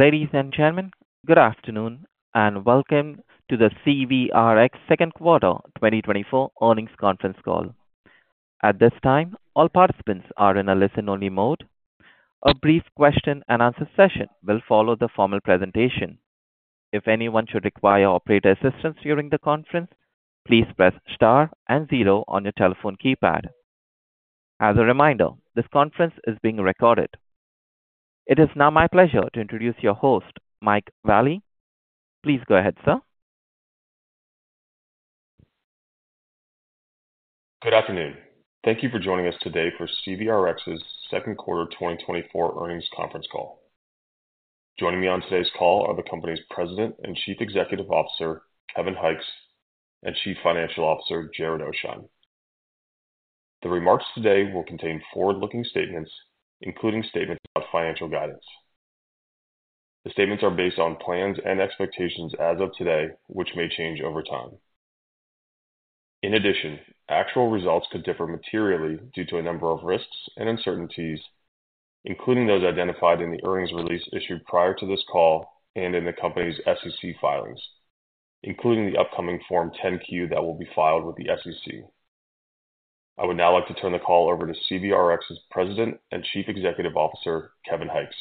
Ladies and gentlemen, good afternoon, and welcome to the CVRx second quarter 2024 Earnings Conference Call. At this time, all participants are in a listen-only mode. A brief question-and-answer session will follow the formal presentation. If anyone should require operator assistance during the conference, please press star and zero on your telephone keypad. As a reminder, this conference is being recorded. It is now my pleasure to introduce your host, Mike Vallie. Please go ahead, sir. Good afternoon. Thank you for joining us today for CVRx's second quarter 2024 Earnings Conference Call. Joining me on today's call are the company's President and Chief Executive Officer, Kevin Hykes, and Chief Financial Officer, Jared Oasheim. The remarks today will contain forward-looking statements, including statements about financial guidance. The statements are based on plans and expectations as of today, which may change over time. In addition, actual results could differ materially due to a number of risks and uncertainties, including those identified in the earnings release issued prior to this call and in the company's SEC filings, including the upcoming Form 10-Q that will be filed with the SEC. I would now like to turn the call over to CVRx's President and Chief Executive Officer, Kevin Hykes.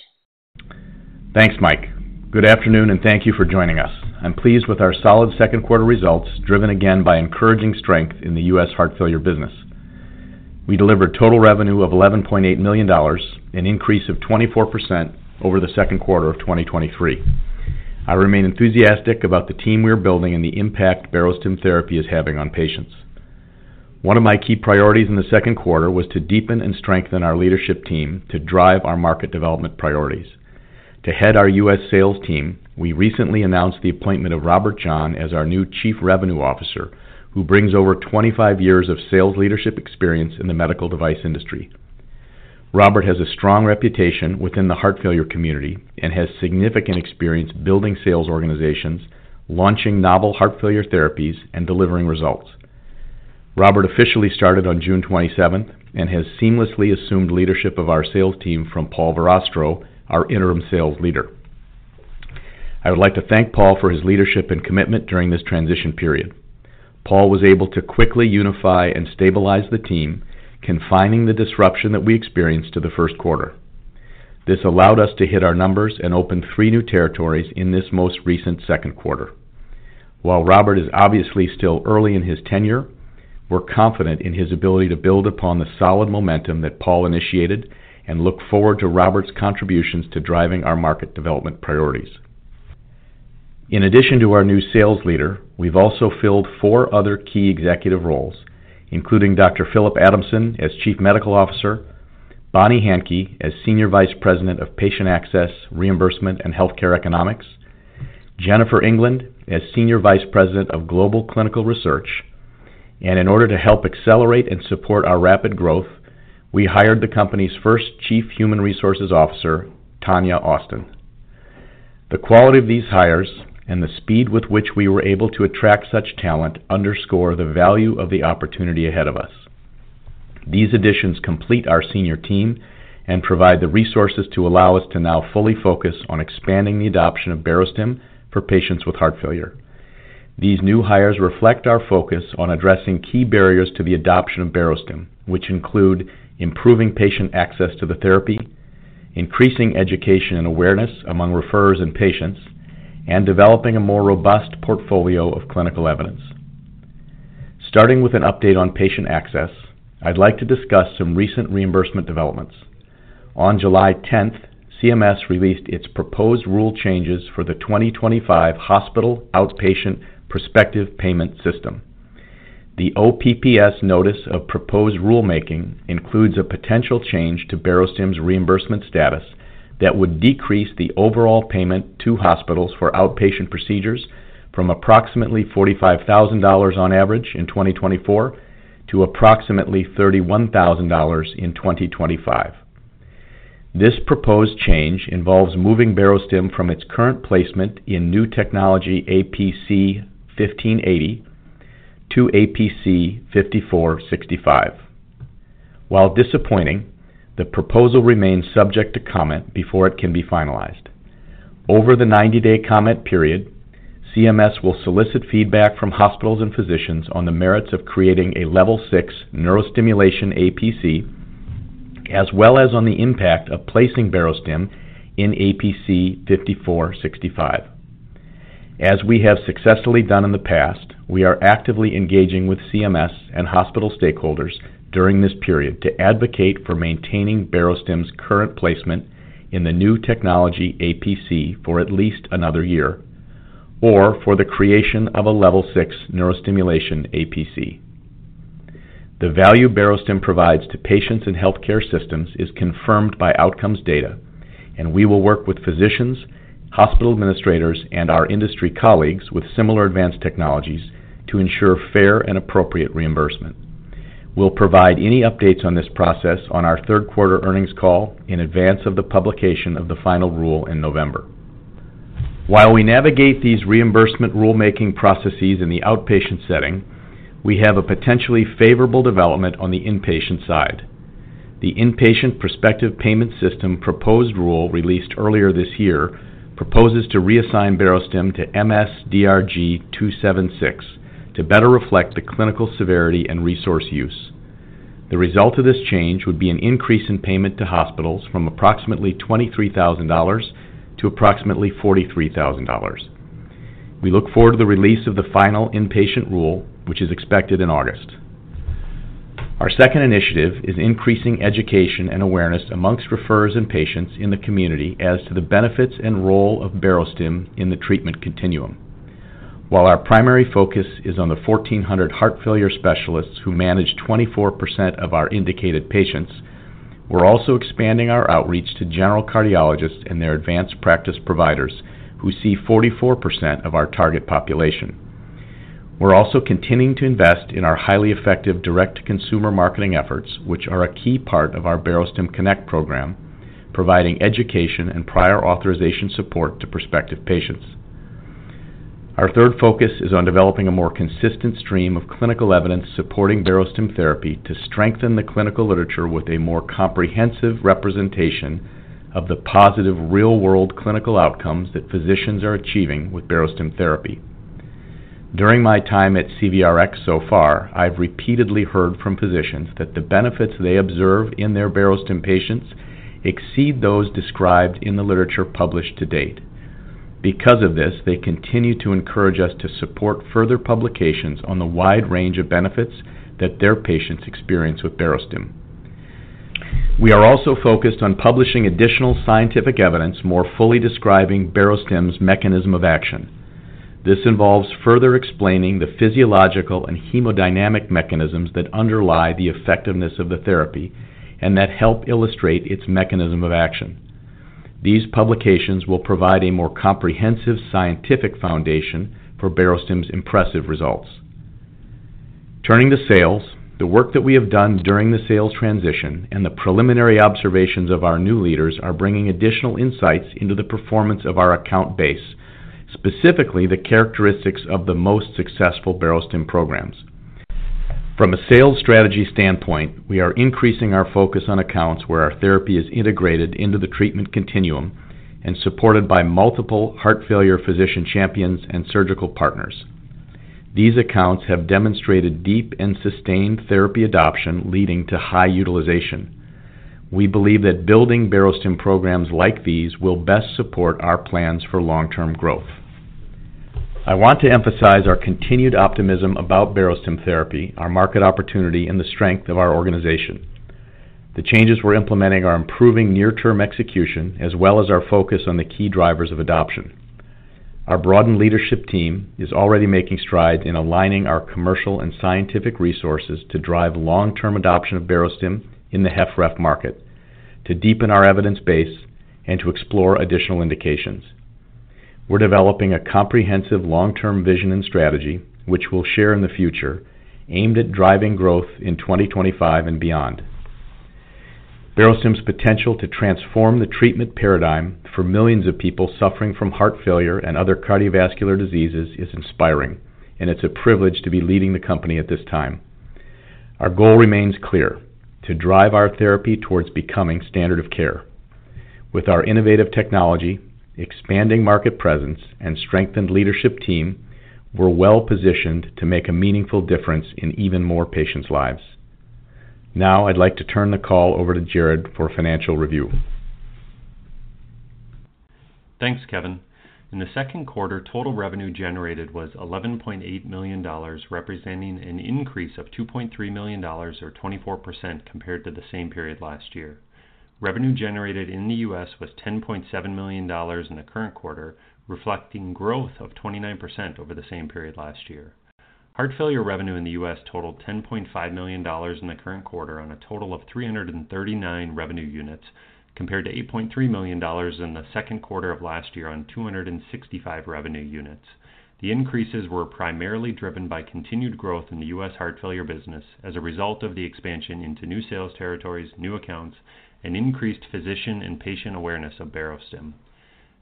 Thanks, Mike. Good afternoon, and thank you for joining us. I'm pleased with our solid second quarter results, driven again by encouraging strength in the U.S. heart failure business. We delivered total revenue of $11.8 million, an increase of 24% over the second quarter of 2023. I remain enthusiastic about the team we are building and the impact Barostim therapy is having on patients. One of my key priorities in the second quarter was to deepen and strengthen our leadership team to drive our market development priorities. To head our U.S. sales team, we recently announced the appointment of Robert John as our new Chief Revenue Officer, who brings over 25 years of sales leadership experience in the medical device industry. Robert has a strong reputation within the heart failure community and has significant experience building sales organizations, launching novel heart failure therapies, and delivering results. Robert officially started on June 27 and has seamlessly assumed leadership of our sales team from Paul Verrastro, our interim sales leader. I would like to thank Paul for his leadership and commitment during this transition period. Paul was able to quickly unify and stabilize the team, confining the disruption that we experienced to the first quarter. This allowed us to hit our numbers and open 3 new territories in this most recent second quarter. While Robert is obviously still early in his tenure, we're confident in his ability to build upon the solid momentum that Paul initiated and look forward to Robert's contributions to driving our market development priorities. In addition to our new sales leader, we've also filled four other key executive roles, including Dr. Philip Adamson as Chief Medical Officer, Bonnie Hankey as Senior Vice President of Patient Access, Reimbursement, and Healthcare Economics, Jennifer England as Senior Vice President of Global Clinical Research, and in order to help accelerate and support our rapid growth, we hired the company's first Chief Human Resources Officer, Tanya Austin. The quality of these hires and the speed with which we were able to attract such talent underscore the value of the opportunity ahead of us. These additions complete our senior team and provide the resources to allow us to now fully focus on expanding the adoption of Barostim for patients with heart failure. These new hires reflect our focus on addressing key barriers to the adoption of Barostim, which include improving patient access to the therapy, increasing education and awareness among referrers and patients, and developing a more robust portfolio of clinical evidence. Starting with an update on patient access, I'd like to discuss some recent reimbursement developments. On July tenth, CMS released its proposed rule changes for the 2025 hospital outpatient prospective payment system. The OPPS notice of proposed rulemaking includes a potential change to Barostim's reimbursement status that would decrease the overall payment to hospitals for outpatient procedures from approximately $45,000 on average in 2024 to approximately $31,000 in 2025. This proposed change involves moving Barostim from its current placement in new technology APC 1580 to APC 5465. While disappointing, the proposal remains subject to comment before it can be finalized. Over the 90-day comment period, CMS will solicit feedback from hospitals and physicians on the merits of creating a level 6 neurostimulation APC, as well as on the impact of placing Barostim in APC 5465. As we have successfully done in the past, we are actively engaging with CMS and hospital stakeholders during this period to advocate for maintaining Barostim's current placement in the new technology APC for at least another year, or for the creation of a level 6 neurostimulation APC. The value Barostim provides to patients and healthcare systems is confirmed by outcomes data, and we will work with physicians, hospital administrators, and our industry colleagues with similar advanced technologies to ensure fair and appropriate reimbursement. We'll provide any updates on this process on our third quarter earnings call in advance of the publication of the final rule in November. While we navigate these reimbursement rulemaking processes in the outpatient setting, we have a potentially favorable development on the inpatient side. The inpatient prospective payment system proposed rule, released earlier this year, proposes to reassign Barostim to MS-DRG 276 to better reflect the clinical severity and resource use. The result of this change would be an increase in payment to hospitals from approximately $23,000 to approximately $43,000. We look forward to the release of the final inpatient rule, which is expected in August. Our second initiative is increasing education and awareness among referrers and patients in the community as to the benefits and role of Barostim in the treatment continuum. While our primary focus is on the 1,400 heart failure specialists who manage 24% of our indicated patients, we're also expanding our outreach to general cardiologists and their advanced practice providers, who see 44% of our target population. We're also continuing to invest in our highly effective direct-to-consumer marketing efforts, which are a key part of our Barostim Connect program, providing education and prior authorization support to prospective patients. Our third focus is on developing a more consistent stream of clinical evidence supporting Barostim therapy to strengthen the clinical literature with a more comprehensive representation of the positive real-world clinical outcomes that physicians are achieving with Barostim therapy. During my time at CVRx so far, I've repeatedly heard from physicians that the benefits they observe in their Barostim patients exceed those described in the literature published to date. Because of this, they continue to encourage us to support further publications on the wide range of benefits that their patients experience with Barostim. We are also focused on publishing additional scientific evidence, more fully describing Barostim's mechanism of action. This involves further explaining the physiological and hemodynamic mechanisms that underlie the effectiveness of the therapy and that help illustrate its mechanism of action. These publications will provide a more comprehensive scientific foundation for Barostim's impressive results. Turning to sales, the work that we have done during the sales transition and the preliminary observations of our new leaders are bringing additional insights into the performance of our account base, specifically the characteristics of the most successful Barostim programs. From a sales strategy standpoint, we are increasing our focus on accounts where our therapy is integrated into the treatment continuum and supported by multiple heart failure physician champions and surgical partners. These accounts have demonstrated deep and sustained therapy adoption, leading to high utilization. We believe that building Barostim programs like these will best support our plans for long-term growth. I want to emphasize our continued optimism about Barostim therapy, our market opportunity, and the strength of our organization. The changes we're implementing are improving near-term execution, as well as our focus on the key drivers of adoption. Our broadened leadership team is already making strides in aligning our commercial and scientific resources to drive long-term adoption of Barostim in the HFpEF market, to deepen our evidence base, and to explore additional indications. We're developing a comprehensive long-term vision and strategy, which we'll share in the future, aimed at driving growth in 2025 and beyond. Barostim's potential to transform the treatment paradigm for millions of people suffering from heart failure and other cardiovascular diseases is inspiring, and it's a privilege to be leading the company at this time. Our goal remains clear: to drive our therapy towards becoming standard of care. With our innovative technology, expanding market presence, and strengthened leadership team, we're well-positioned to make a meaningful difference in even more patients' lives. Now, I'd like to turn the call over to Jared for a financial review. Thanks, Kevin. In the second quarter, total revenue generated was $11.8 million, representing an increase of $2.3 million or 24% compared to the same period last year. Revenue generated in the US was $10.7 million in the current quarter, reflecting growth of 29% over the same period last year. Heart failure revenue in the US totaled $10.5 million in the current quarter on a total of 339 revenue units, compared to $8.3 million in the second quarter of last year on 265 revenue units. The increases were primarily driven by continued growth in the US heart failure business as a result of the expansion into new sales territories, new accounts, and increased physician and patient awareness of Barostim.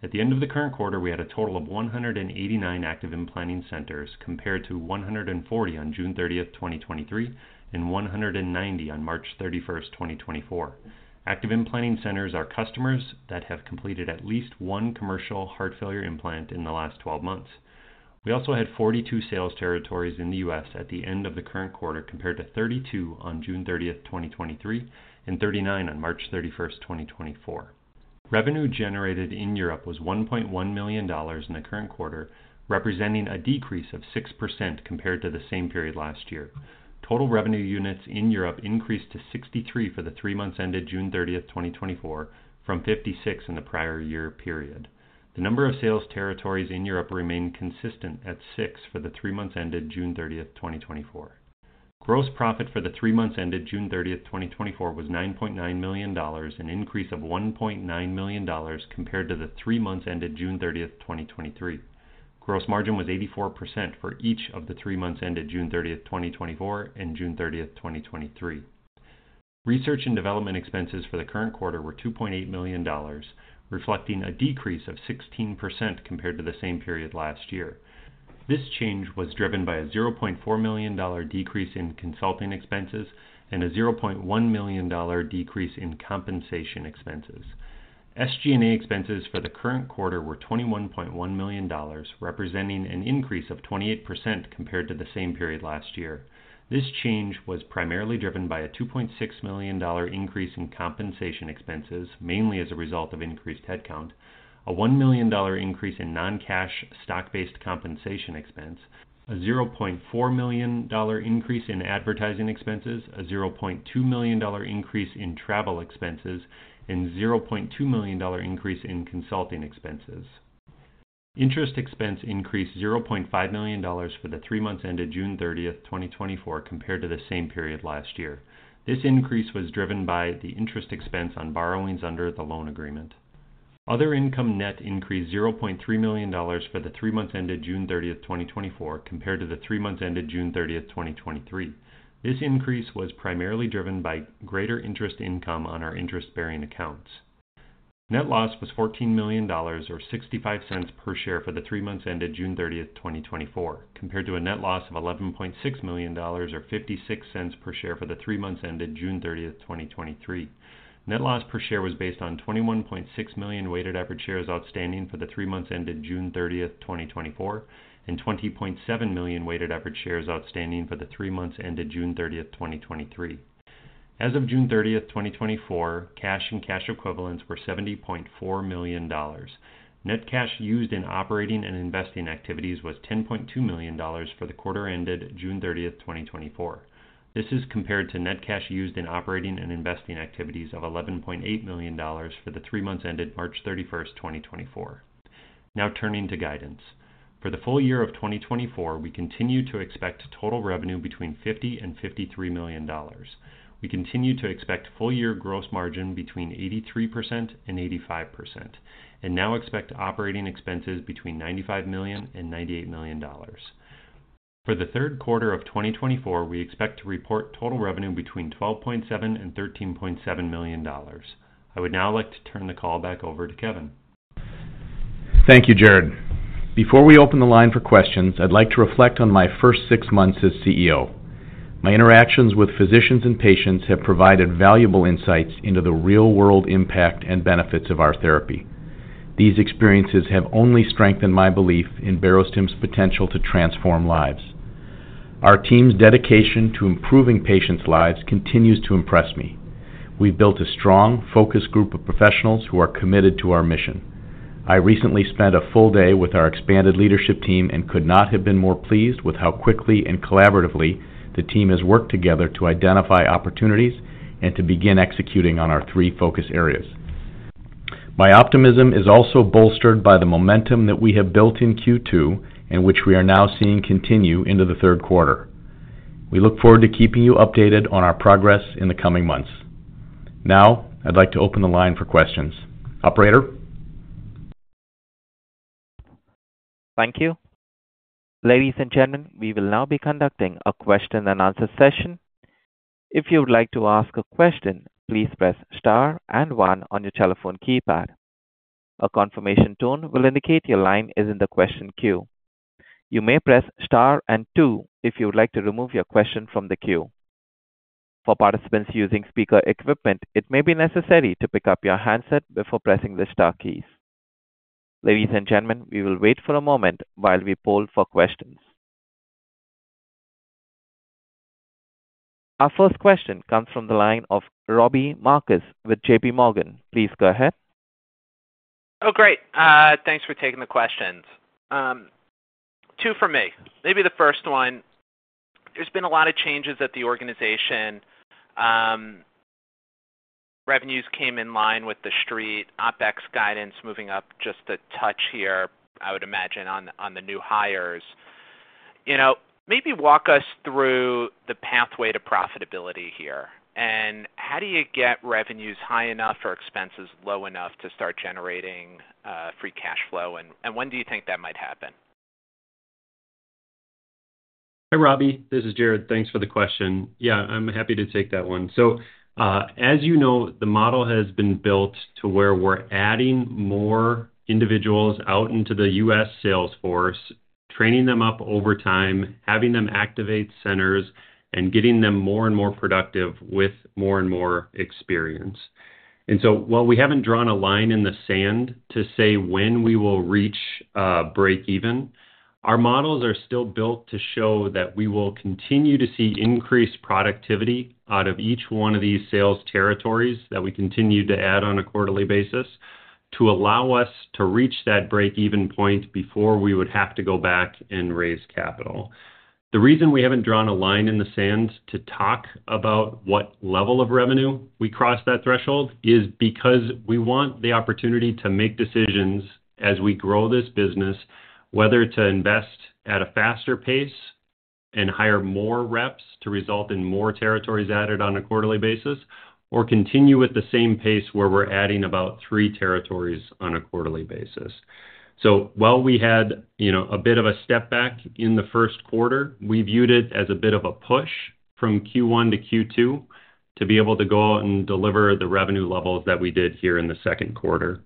At the end of the current quarter, we had a total of 189 active implanting centers, compared to 140 on June 30, 2023, and 190 on March 31, 2024. Active implanting centers are customers that have completed at least one commercial heart failure implant in the last twelve months. We also had 42 sales territories in the U.S. at the end of the current quarter, compared to 32 on June 30, 2023, and 39 on March 31, 2024. Revenue generated in Europe was $1.1 million in the current quarter, representing a decrease of 6% compared to the same period last year. Total revenue units in Europe increased to 63 for the three months ended June 30, 2024, from 56 in the prior year period. The number of sales territories in Europe remained consistent at 6 for the three months ended June 30, 2024. Gross profit for the three months ended June 30, 2024, was $9.9 million, an increase of $1.9 million compared to the three months ended June 30, 2023. Gross margin was 84% for each of the three months ended June 30, 2024, and June 30, 2023. Research and development expenses for the current quarter were $2.8 million, reflecting a decrease of 16% compared to the same period last year. This change was driven by a $0.4 million dollar decrease in consulting expenses and a $0.1 million dollar decrease in compensation expenses. SG&A expenses for the current quarter were $21.1 million, representing an increase of 28% compared to the same period last year. This change was primarily driven by a $2.6 million increase in compensation expenses, mainly as a result of increased headcount, a $1 million increase in non-cash stock-based compensation expense, a $0.4 million increase in advertising expenses, a $0.2 million increase in travel expenses, and $0.2 million increase in consulting expenses. Interest expense increased $0.5 million for the three months ended June 30th, 2024, compared to the same period last year. This increase was driven by the interest expense on borrowings under the loan agreement. Other income net increased $0.3 million for the three months ended June 30, 2024, compared to the three months ended June 30, 2023. This increase was primarily driven by greater interest income on our interest-bearing accounts. Net loss was $14 million, or $0.65 per share, for the three months ended June 30, 2024, compared to a net loss of $11.6 million, or $0.56 per share, for the three months ended June 30, 2023. Net loss per share was based on 21.6 million weighted average shares outstanding for the three months ended June 30, 2024, and 20.7 million weighted average shares outstanding for the three months ended June 30, 2023. As of June 30, 2024, cash and cash equivalents were $70.4 million. Net cash used in operating and investing activities was $10.2 million for the quarter ended June 30, 2024. This is compared to net cash used in operating and investing activities of $11.8 million for the three months ended March 31, 2024. Now, turning to guidance. For the full year of 2024, we continue to expect total revenue between $50 million and $53 million. We continue to expect full year gross margin between 83% and 85%, and now expect operating expenses between $95 million and $98 million. For the third quarter of 2024, we expect to report total revenue between $12.7 million and $13.7 million. I would now like to turn the call back over to Kevin. Thank you, Jared. Before we open the line for questions, I'd like to reflect on my first six months as CEO. My interactions with physicians and patients have provided valuable insights into the real-world impact and benefits of our therapy. These experiences have only strengthened my belief in Barostim's potential to transform lives. Our team's dedication to improving patients' lives continues to impress me. We've built a strong, focused group of professionals who are committed to our mission. I recently spent a full day with our expanded leadership team and could not have been more pleased with how quickly and collaboratively the team has worked together to identify opportunities and to begin executing on our three focus areas. My optimism is also bolstered by the momentum that we have built in Q2, and which we are now seeing continue into the third quarter. We look forward to keeping you updated on our progress in the coming months. Now, I'd like to open the line for questions. Operator? Thank you. Ladies and gentlemen, we will now be conducting a question and answer session. If you would like to ask a question, please press star and one on your telephone keypad. A confirmation tone will indicate your line is in the question queue. You may press star and two if you would like to remove your question from the queue. For participants using speaker equipment, it may be necessary to pick up your handset before pressing the star keys. Ladies and gentlemen, we will wait for a moment while we poll for questions. Our first question comes from the line of Robbie Marcus with J.P. Morgan. Please go ahead. Oh, great. Thanks for taking the questions. Two for me. Maybe the first one, there's been a lot of changes at the organization. Revenues came in line with the street, OpEx guidance moving up just a touch here, I would imagine, on the new hires. You know, maybe walk us through the pathway to profitability here. And how do you get revenues high enough or expenses low enough to start generating, free cash flow? And when do you think that might happen? Hi, Robbie. This is Jared. Thanks for the question. Yeah, I'm happy to take that one. So, as you know, the model has been built to where we're adding more individuals out into the U.S. sales force, training them up over time, having them activate centers, and getting them more and more productive with more and more experience. And so while we haven't drawn a line in the sand to say when we will reach break even, our models are still built to show that we will continue to see increased productivity out of each one of these sales territories, that we continue to add on a quarterly basis, to allow us to reach that break-even point before we would have to go back and raise capital. The reason we haven't drawn a line in the sand to talk about what level of revenue we cross that threshold, is because we want the opportunity to make decisions as we grow this business, whether to invest at a faster pace and hire more reps to result in more territories added on a quarterly basis, or continue at the same pace where we're adding about three territories on a quarterly basis. So while we had, you know, a bit of a step back in the first quarter, we viewed it as a bit of a push from Q1 to Q2 to be able to go out and deliver the revenue levels that we did here in the second quarter.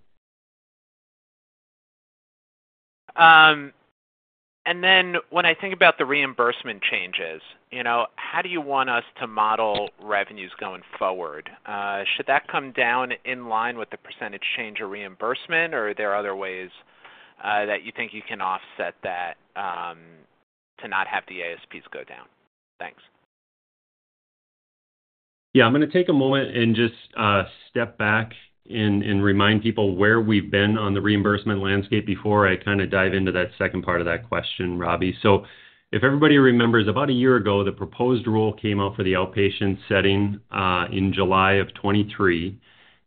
When I think about the reimbursement changes, you know, how do you want us to model revenues going forward? Should that come down in line with the percentage change of reimbursement, or are there other ways that you think you can offset that to not have the ASPs go down? Thanks. Yeah, I'm gonna take a moment and just, step back and remind people where we've been on the reimbursement landscape before I kind of dive into that second part of that question, Robbie. So if everybody remembers, about a year ago, the proposed rule came out for the outpatient setting, in July 2023,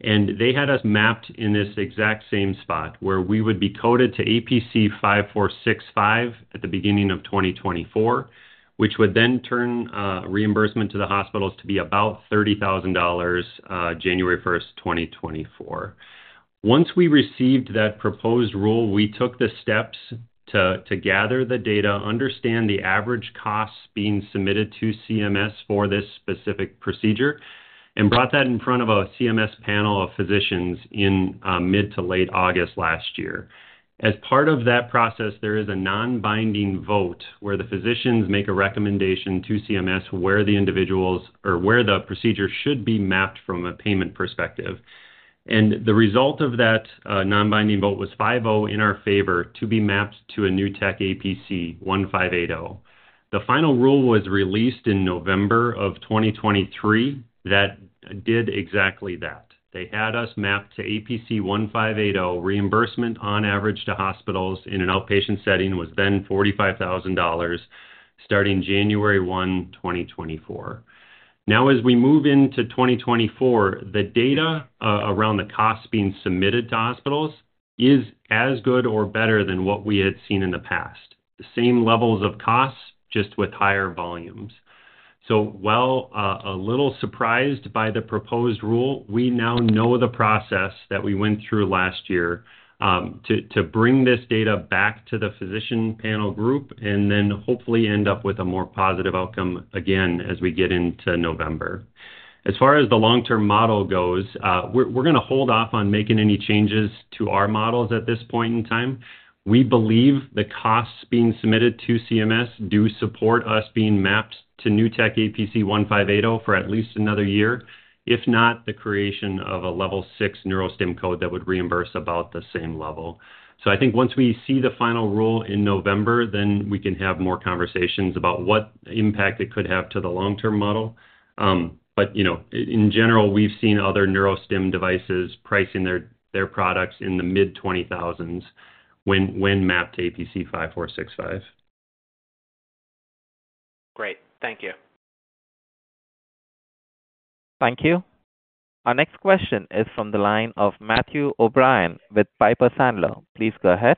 and they had us mapped in this exact same spot, where we would be coded to APC 5465 at the beginning of 2024, which would then turn, reimbursement to the hospitals to be about $30,000, January 1, 2024. Once we received that proposed rule, we took the steps to gather the data, understand the average costs being submitted to CMS for this specific procedure, and brought that in front of a CMS panel of physicians in, mid- to late August last year. As part of that process, there is a non-binding vote where the physicians make a recommendation to CMS, where the individuals or where the procedure should be mapped from a payment perspective. The result of that non-binding vote was 5-0 in our favor to be mapped to a new tech APC 1580. The final rule was released in November of 2023. That did exactly that. They had us mapped to APC 1580. Reimbursement on average to hospitals in an outpatient setting was then $45,000 starting January 1, 2024. Now, as we move into 2024, the data around the costs being submitted to hospitals is as good or better than what we had seen in the past. The same levels of costs, just with higher volumes. So while, a little surprised by the proposed rule, we now know the process that we went through last year, to bring this data back to the physician panel group and then hopefully end up with a more positive outcome again as we get into November. As far as the long-term model goes, we're gonna hold off on making any changes to our models at this point in time. We believe the costs being submitted to CMS do support us being mapped to new tech APC 1580 for at least another year, if not the creation of a level 6 neurostim code that would reimburse about the same level. So I think once we see the final rule in November, then we can have more conversations about what impact it could have to the long-term model. But, you know, in general, we've seen other neurostim devices pricing their products in the mid-20,000s when mapped to APC 5465. Great. Thank you. Thank you. Our next question is from the line of Matthew O'Brien with Piper Sandler. Please go ahead.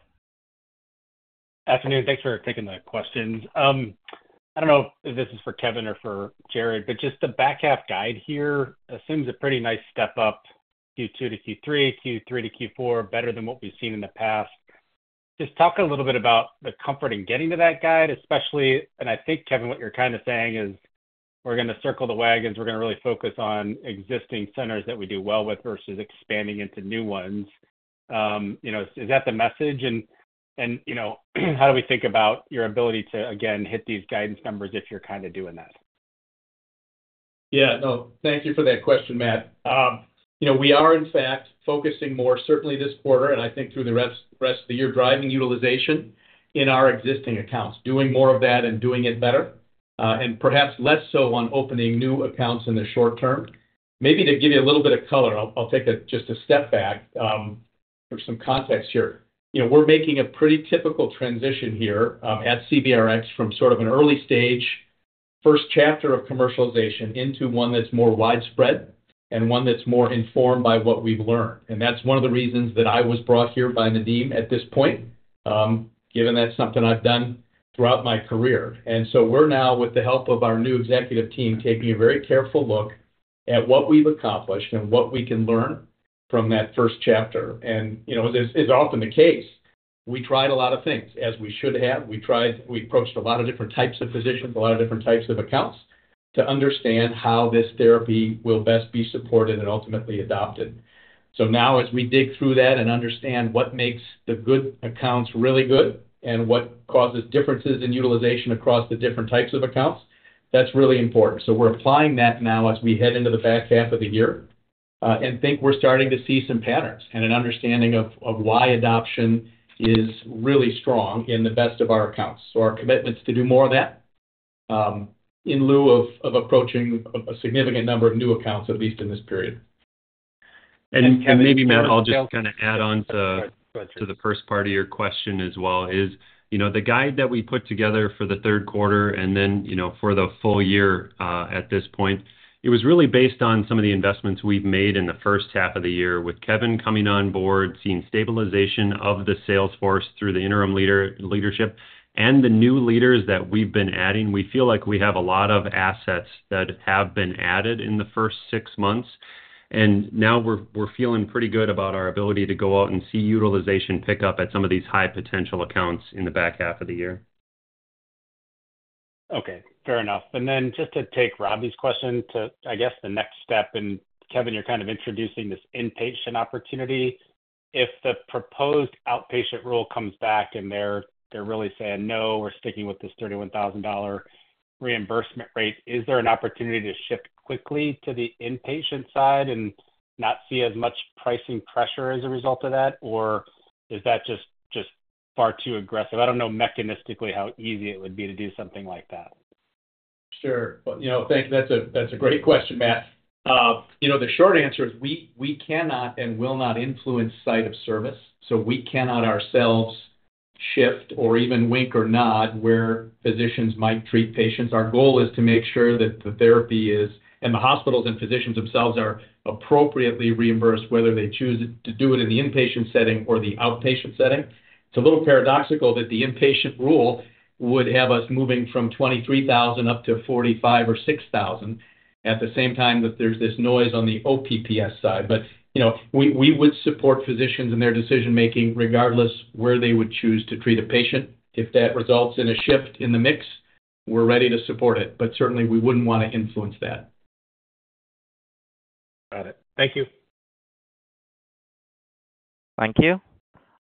Afternoon. Thanks for taking the questions. I don't know if this is for Kevin or for Jared, but just the back half guide here assumes a pretty nice step up, Q2 to Q3, Q3 to Q4, better than what we've seen in the past. Just talk a little bit about the comfort in getting to that guide, especially... I think, Kevin, what you're kind of saying is, we're gonna circle the wagons. We're gonna really focus on existing centers that we do well with versus expanding into new ones. You know, is that the message? You know, how do we think about your ability to, again, hit these guidance numbers if you're kind of doing that? Yeah, no. Thank you for that question, Matt. You know, we are, in fact, focusing more, certainly this quarter, and I think through the rest of the year, driving utilization in our existing accounts, doing more of that and doing it better, and perhaps less so on opening new accounts in the short term. Maybe to give you a little bit of color, I'll take just a step back for some context here. You know, we're making a pretty typical transition here at CVRx from sort of an early stage, first chapter of commercialization, into one that's more widespread and one that's more informed by what we've learned. And that's one of the reasons that I was brought here by Nadim at this point, given that's something I've done throughout my career. And so we're now, with the help of our new executive team, taking a very careful look at what we've accomplished and what we can learn from that first chapter. And, you know, as is often the case, we tried a lot of things, as we should have. We approached a lot of different types of physicians, a lot of different types of accounts, to understand how this therapy will best be supported and ultimately adopted. So now as we dig through that and understand what makes the good accounts really good and what causes differences in utilization across the different types of accounts, that's really important. So we're applying that now as we head into the back half of the year, and think we're starting to see some patterns and an understanding of why adoption is really strong in the best of our accounts. So our commitment's to do more of that, in lieu of approaching a significant number of new accounts, at least in this period. And maybe, Matt, I'll just kind of add on to the first part of your question as well is, you know, the guide that we put together for the third quarter and then, you know, for the full year, at this point, it was really based on some of the investments we've made in the first half of the year, with Kevin coming on board, seeing stabilization of the sales force through the interim leadership, and the new leaders that we've been adding. We feel like we have a lot of assets that have been added in the first six months... And now we're feeling pretty good about our ability to go out and see utilization pick up at some of these high potential accounts in the back half of the year. Okay, fair enough. And then just to take Robbie's question to, I guess, the next step, and Kevin, you're kind of introducing this inpatient opportunity. If the proposed outpatient rule comes back, and they're, they're really saying, "No, we're sticking with this $31,000 reimbursement rate," is there an opportunity to shift quickly to the inpatient side and not see as much pricing pressure as a result of that? Or is that just, just far too aggressive? I don't know mechanistically how easy it would be to do something like that. Sure. Well, you know, thank you. That's a, that's a great question, Matt. You know, the short answer is we, we cannot and will not influence site of service, so we cannot ourselves shift or even wink or nod where physicians might treat patients. Our goal is to make sure that the therapy is, and the hospitals and physicians themselves are appropriately reimbursed, whether they choose to do it in the inpatient setting or the outpatient setting. It's a little paradoxical that the inpatient rule would have us moving from $23,000 up to $45,000 or $6,000 at the same time that there's this noise on the OPPS side. But, you know, we, we would support physicians in their decision-making, regardless where they would choose to treat a patient. If that results in a shift in the mix, we're ready to support it, but certainly, we wouldn't want to influence that. Got it. Thank you. Thank you.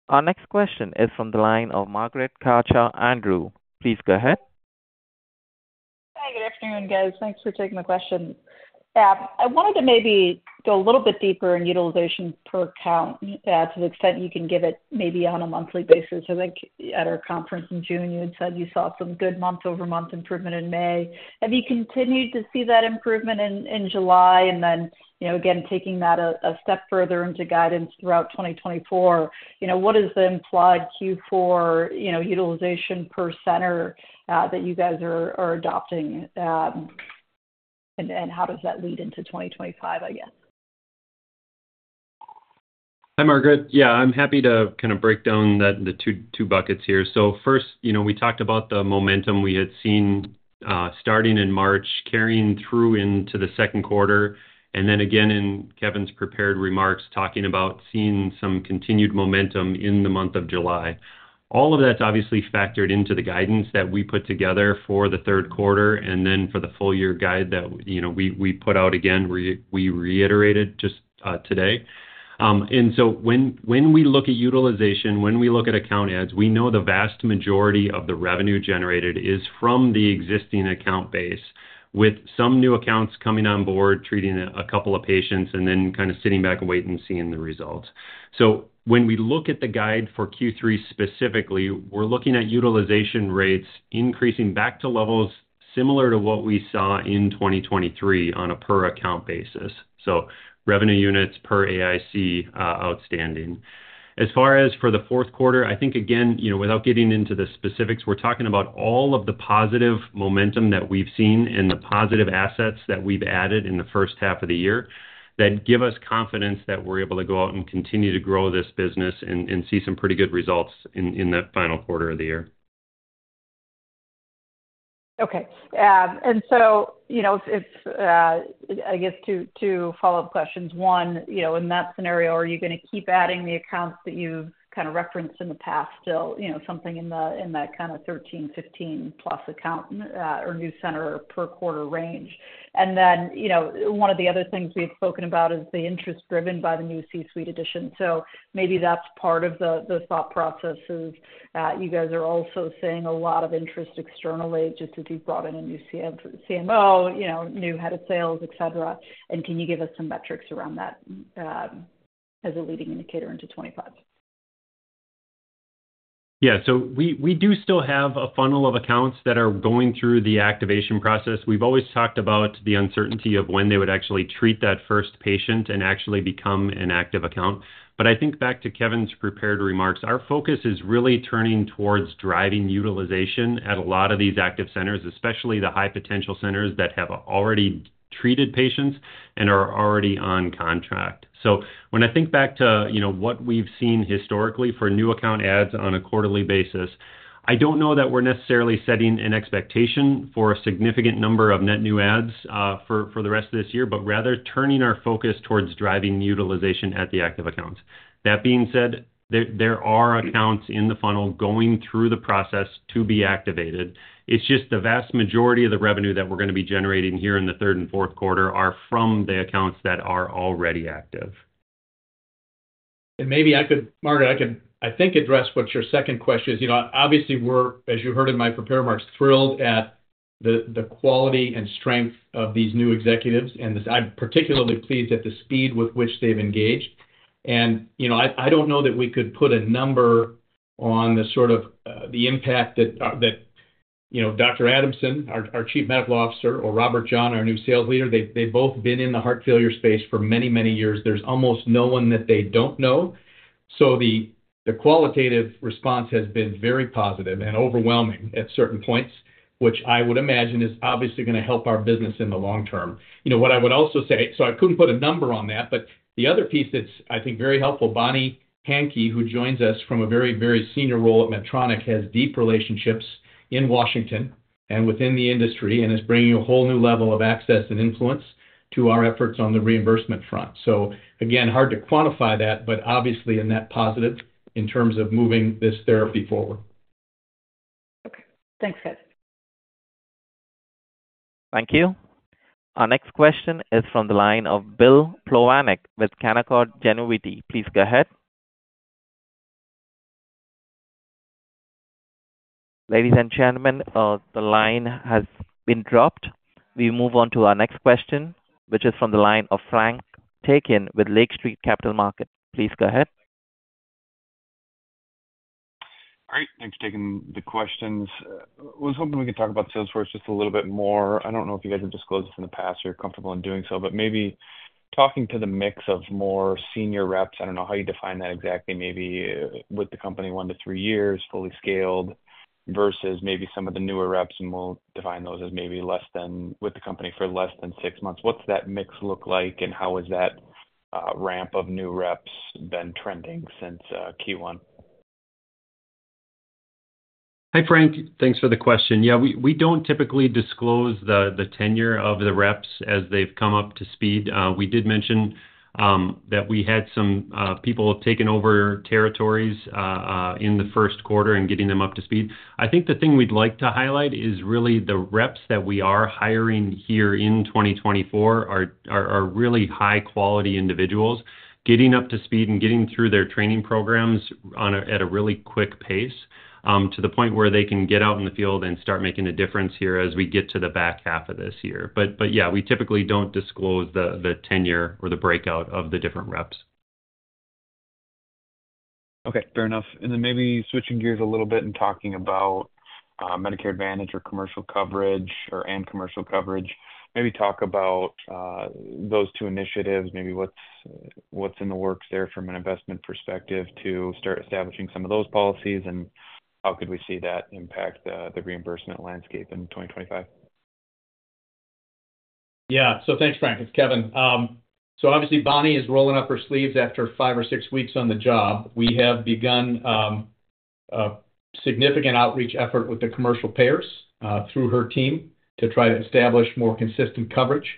Our next question is from the line of Margaret Kaczor Andrews. Please go ahead. Hi, good afternoon, guys. Thanks for taking my question. I wanted to maybe go a little bit deeper in utilization per account, to the extent you can give it maybe on a monthly basis. I think at our conference in June, you had said you saw some good month-over-month improvement in May. Have you continued to see that improvement in July? And then, you know, again, taking that a step further into guidance throughout 2024, you know, what is the implied Q4, you know, utilization per center, that you guys are adopting? And how does that lead into 2025, I guess? Hi, Margaret. Yeah, I'm happy to kinda break down the two buckets here. So first, you know, we talked about the momentum we had seen starting in March, carrying through into the second quarter, and then again in Kevin's prepared remarks, talking about seeing some continued momentum in the month of July. All of that's obviously factored into the guidance that we put together for the third quarter and then for the full year guide that, you know, we put out again, we reiterated just today. And so when we look at utilization, when we look at account adds, we know the vast majority of the revenue generated is from the existing account base, with some new accounts coming on board, treating a couple of patients and then kind of sitting back and waiting and seeing the results. So when we look at the guide for Q3 specifically, we're looking at utilization rates increasing back to levels similar to what we saw in 2023 on a per account basis, so revenue units per AIC outstanding. As far as for the fourth quarter, I think, again, you know, without getting into the specifics, we're talking about all of the positive momentum that we've seen and the positive assets that we've added in the first half of the year, that give us confidence that we're able to go out and continue to grow this business and, and see some pretty good results in, in that final quarter of the year. Okay. And so, you know, if... I guess two follow-up questions. One, you know, in that scenario, are you gonna keep adding the accounts that you've kind of referenced in the past, still, you know, something in the, in that kind of 13, 15 plus account, or new center per quarter range? And then, you know, one of the other things we've spoken about is the interest driven by the new C-suite addition. So maybe that's part of the thought processes. You guys are also seeing a lot of interest externally, just as you've brought in a new CM, CMO, you know, new head of sales, et cetera. And can you give us some metrics around that, as a leading indicator into 2025? Yeah. So we do still have a funnel of accounts that are going through the activation process. We've always talked about the uncertainty of when they would actually treat that first patient and actually become an active account. But I think back to Kevin's prepared remarks, our focus is really turning towards driving utilization at a lot of these active centers, especially the high potential centers that have already treated patients and are already on contract. So when I think back to, you know, what we've seen historically for new account adds on a quarterly basis, I don't know that we're necessarily setting an expectation for a significant number of net new adds, for the rest of this year, but rather, turning our focus towards driving utilization at the active accounts. That being said, there are accounts in the funnel going through the process to be activated. It's just the vast majority of the revenue that we're gonna be generating here in the third and fourth quarter are from the accounts that are already active. And maybe I could, Margaret, I could, I think, address what your second question is. You know, obviously, we're, as you heard in my prepared remarks, thrilled at the, the quality and strength of these new executives, and I'm particularly pleased at the speed with which they've engaged. And, you know, I, I don't know that we could put a number on the sort of, the impact that, that, you know, Dr. Adamson, our, our Chief Medical Officer, or Robert John, our new sales leader, they've, they've both been in the heart failure space for many, many years. There's almost no one that they don't know. So the, the qualitative response has been very positive and overwhelming at certain points, which I would imagine is obviously gonna help our business in the long term. You know, what I would also say, so I couldn't put a number on that, but the other piece that's, I think, very helpful, Bonnie Hankey, who joins us from a very, very senior role at Medtronic, has deep relationships in Washington, and within the industry, and is bringing a whole new level of access and influence to our efforts on the reimbursement front. So again, hard to quantify that, but obviously a net positive in terms of moving this therapy forward. Okay. Thanks, Kevin. Thank you. Our next question is from the line of Bill Plovanic with Canaccord Genuity. Please go ahead. Ladies and gentlemen, the line has been dropped. We move on to our next question, which is from the line of Frank Takkinen with Lake Street Capital Markets. Please go ahead. All right, thanks for taking the questions. I was hoping we could talk about Salesforce just a little bit more. I don't know if you guys have disclosed this in the past or you're comfortable in doing so, but maybe talking to the mix of more senior reps, I don't know how you define that exactly, maybe with the company one to three years, fully scaled, versus maybe some of the newer reps, and we'll define those as maybe less than with the company for less than six months. What's that mix look like, and how has that ramp of new reps been trending since Q1? Hi, Frank. Thanks for the question. Yeah, we don't typically disclose the tenure of the reps as they've come up to speed. We did mention that we had some people taking over territories in the first quarter and getting them up to speed. I think the thing we'd like to highlight is really the reps that we are hiring here in 2024 are really high-quality individuals, getting up to speed and getting through their training programs at a really quick pace, to the point where they can get out in the field and start making a difference here as we get to the back half of this year. But, yeah, we typically don't disclose the tenure or the breakout of the different reps. Okay, fair enough. And then maybe switching gears a little bit and talking about Medicare Advantage or commercial coverage. Maybe talk about those two initiatives, maybe what's in the works there from an investment perspective to start establishing some of those policies, and how could we see that impact the reimbursement landscape in 2025? Yeah. So thanks, Frank. It's Kevin. So obviously, Bonnie is rolling up her sleeves after five or six weeks on the job. We have begun a significant outreach effort with the commercial payers through her team, to try to establish more consistent coverage.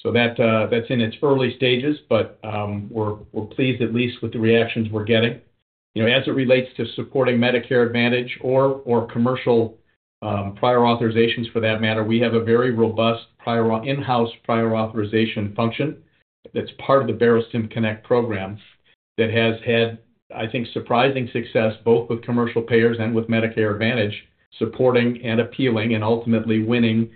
So that's in its early stages, but we're pleased, at least with the reactions we're getting. You know, as it relates to supporting Medicare Advantage or commercial prior authorizations for that matter, we have a very robust prior authorization in-house prior authorization function that's part of the Barostim Connect program, that has had, I think, surprising success, both with commercial payers and with Medicare Advantage, supporting and appealing and ultimately winning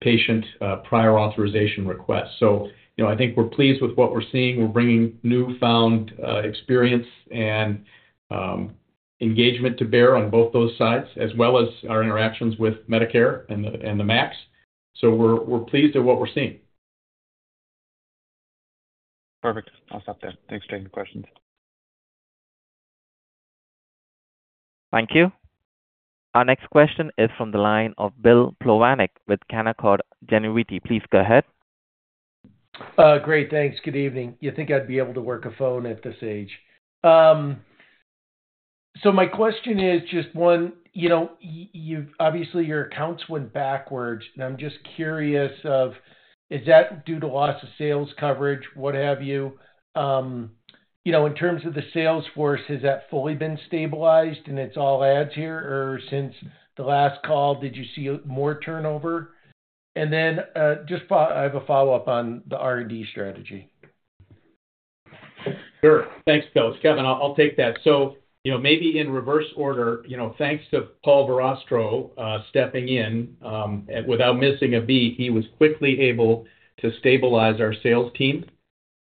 patient prior authorization requests. So, you know, I think we're pleased with what we're seeing. We're bringing newfound experience and engagement to bear on both those sides, as well as our interactions with Medicare and the MACs. So we're pleased at what we're seeing. Perfect. I'll stop there. Thanks for taking the questions. Thank you. Our next question is from the line of Bill Plovanic with Canaccord Genuity. Please go ahead. Great. Thanks. Good evening. You think I'd be able to work a phone at this age? So my question is just, one, you know, you've obviously your accounts went backwards, and I'm just curious of, is that due to loss of sales coverage, what have you? You know, in terms of the sales force, has that fully been stabilized and it's all adds here, or since the last call, did you see more turnover? And then, just I have a follow-up on the R&D strategy. Sure. Thanks, Bill. It's Kevin. I'll take that. So, you know, maybe in reverse order, you know, thanks to Paul Verrastro stepping in, without missing a beat, he was quickly able to stabilize our sales team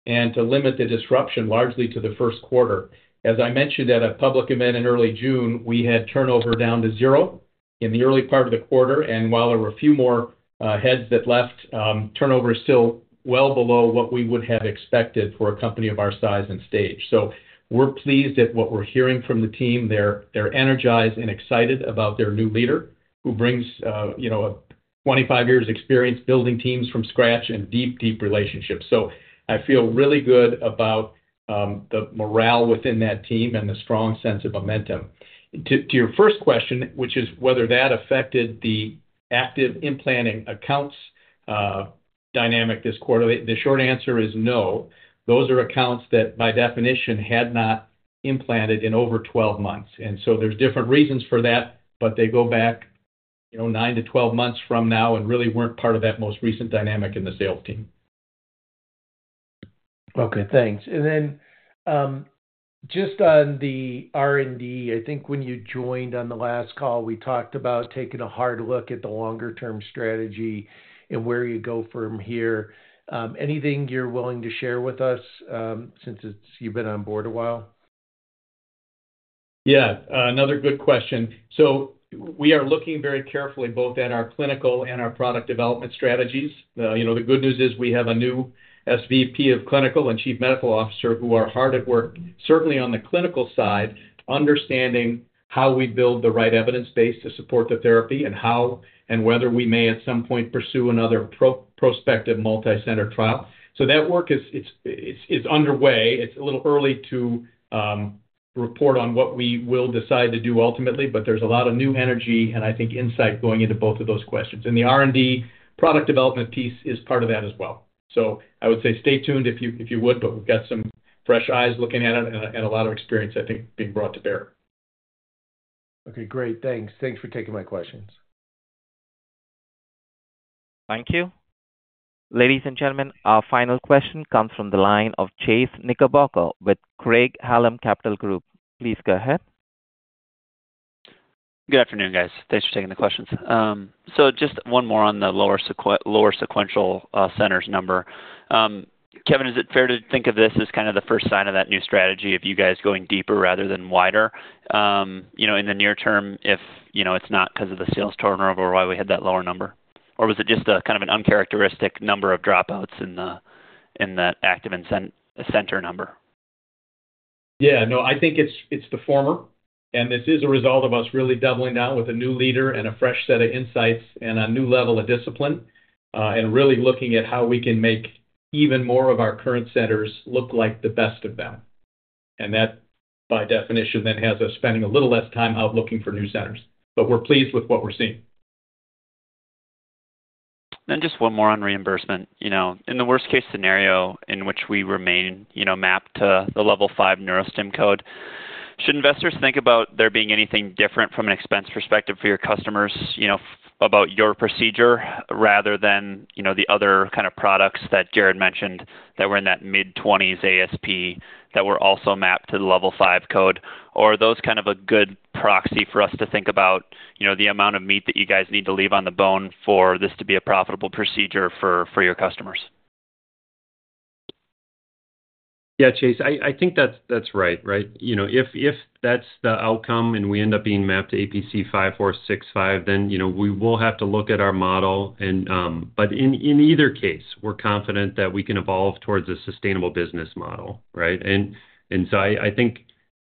and to limit the disruption largely to the first quarter. As I mentioned at a public event in early June, we had turnover down to zero in the early part of the quarter, and while there were a few more heads that left, turnover is still well below what we would have expected for a company of our size and stage. So we're pleased at what we're hearing from the team. They're energized and excited about their new leader, who brings, you know, 25 years of experience building teams from scratch and deep, deep relationships. So I feel really good about the morale within that team and the strong sense of momentum. To your first question, which is whether that affected the active implanting accounts dynamic this quarter, the short answer is no. Those are accounts that, by definition, had not implanted in over 12 months, and so there's different reasons for that, but they go back, you know, 9 to 12 months from now and really weren't part of that most recent dynamic in the sales team. Okay, thanks. And then, just on the R&D, I think when you joined on the last call, we talked about taking a hard look at the longer-term strategy and where you go from here. Anything you're willing to share with us, since it's. You've been on board a while? Yeah, another good question. So we are looking very carefully both at our clinical and our product development strategies. You know, the good news is we have a new SVP of clinical and chief medical officer who are hard at work, certainly on the clinical side, understanding how we build the right evidence base to support the therapy and how and whether we may, at some point, pursue another prospective multi-center trial. So that work is underway. It's a little early to report on what we will decide to do ultimately, but there's a lot of new energy, and I think insight going into both of those questions. And the R&D product development piece is part of that as well. So I would say stay tuned, if you, if you would, but we've got some fresh eyes looking at it and, and a lot of experience, I think, being brought to bear. Okay, great. Thanks. Thanks for taking my questions. Thank you. Ladies and gentlemen, our final question comes from the line of Chase Knickerbocker with Craig-Hallum Capital Group. Please go ahead. Good afternoon, guys. Thanks for taking the questions. So just one more on the lower sequential centers number. Kevin, is it fair to think of this as kind of the first sign of that new strategy of you guys going deeper rather than wider? You know, in the near term, if, you know, it's not 'cause of the sales turnover, why we had that lower number? Or was it just a kind of an uncharacteristic number of dropouts in the, in that active center number? Yeah, no, I think it's the former, and this is a result of us really doubling down with a new leader and a fresh set of insights and a new level of discipline, and really looking at how we can make even more of our current centers look like the best of them. And that, by definition, then, has us spending a little less time out looking for new centers. But we're pleased with what we're seeing. Then just one more on reimbursement. You know, in the worst case scenario, in which we remain, you know, mapped to the level five neurostim code, should investors think about there being anything different from an expense perspective for your customers, you know, about your procedure, rather than, you know, the other kind of products that Jared mentioned that were in that mid-twenties ASP, that were also mapped to the level five code? Or are those kind of a good proxy for us to think about, you know, the amount of meat that you guys need to leave on the bone for this to be a profitable procedure for, for your customers? Yeah, Chase, I think that's right, right? You know, if that's the outcome and we end up being mapped to APC 5465, then, you know, we will have to look at our model and... But in either case, we're confident that we can evolve towards a sustainable business model, right? And so I think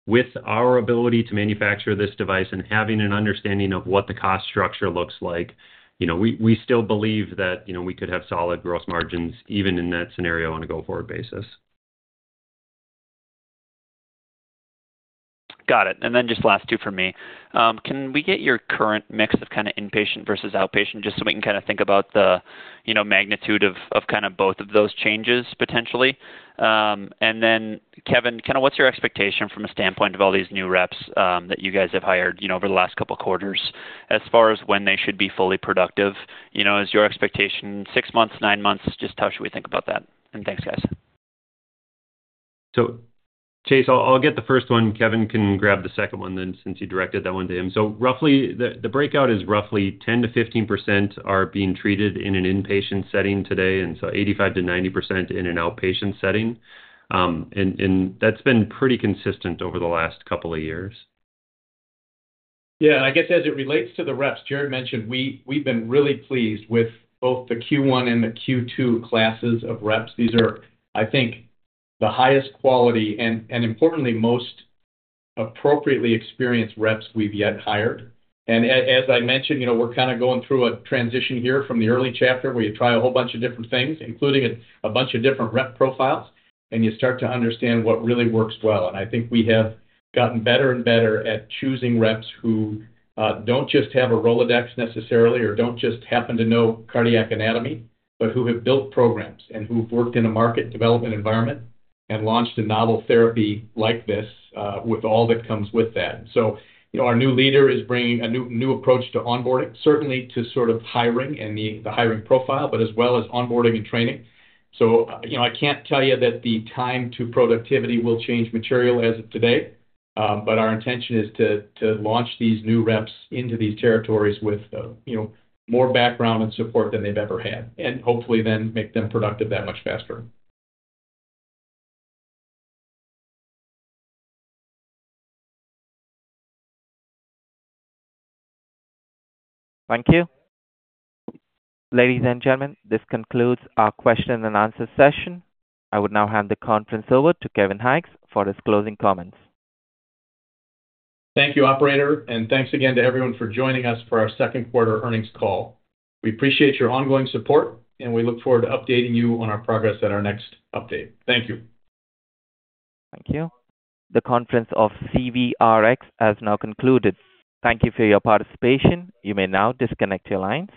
with our ability to manufacture this device and having an understanding of what the cost structure looks like, you know, we still believe that, you know, we could have solid gross margins even in that scenario, on a go-forward basis. Got it. And then just last two for me. Can we get your current mix of kind of inpatient versus outpatient, just so we can kinda think about the, you know, magnitude of kind of both of those changes, potentially? And then Kevin, kinda what's your expectation from a standpoint of all these new reps, that you guys have hired, you know, over the last couple of quarters, as far as when they should be fully productive? You know, is your expectation six months, nine months? Just how should we think about that? And thanks, guys. So Chase, I'll get the first one. Kevin can grab the second one then, since you directed that one to him. So roughly, the breakout is roughly 10%-15% are being treated in an inpatient setting today, and so 85%-90% in an outpatient setting. And that's been pretty consistent over the last couple of years. Yeah, I guess as it relates to the reps, Jared mentioned, we, we've been really pleased with both the Q1 and the Q2 classes of reps. These are, I think, the highest quality and, and importantly, most appropriately experienced reps we've yet hired. And as I mentioned, you know, we're kind of going through a transition here from the early chapter, where you try a whole bunch of different things, including a bunch of different rep profiles, and you start to understand what really works well. And I think we have gotten better and better at choosing reps who don't just have a Rolodex necessarily, or don't just happen to know cardiac anatomy, but who have built programs and who've worked in a market development environment and launched a novel therapy like this, with all that comes with that. So, you know, our new leader is bringing a new, new approach to onboarding, certainly to sort of hiring and the hiring profile, but as well as onboarding and training. So, you know, I can't tell you that the time to productivity will change material as of today, but our intention is to launch these new reps into these territories with, you know, more background and support than they've ever had, and hopefully then make them productive that much faster. Thank you. Ladies and gentlemen, this concludes our question and answer session. I would now hand the conference over to Kevin Hykes for his closing comments. Thank you, operator, and thanks again to everyone for joining us for our second quarter earnings call. We appreciate your ongoing support, and we look forward to updating you on our progress at our next update. Thank you. Thank you. The conference of CVRx has now concluded. Thank you for your participation. You may now disconnect your lines.